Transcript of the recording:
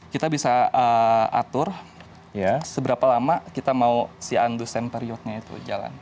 kita bisa atur seberapa lama kita mau si andusen periodnya itu jalan